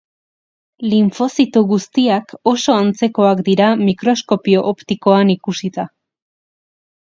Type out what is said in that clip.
Linfozito guztiak oso antzekoak dira mikroskopio optikoan ikusita.